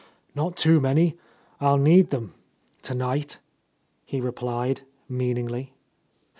"Not too many. I'll need them ... to night," he replied meaningly.